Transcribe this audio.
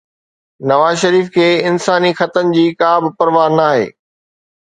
نواز شريف کي انساني خطن جي ڪا به پرواهه ناهي.